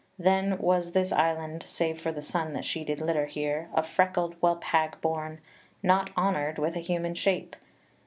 . Then was this island Save for the son that she did litter here, A freckled whelp hag born not honor'd with A human shape